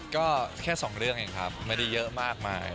ก็แค่สองเรื่องเองครับไม่ได้เยอะมากมาย